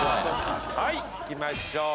はいいきましょう。